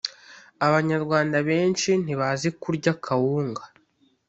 abanyarwanda bensi ntibazi kurya kawunga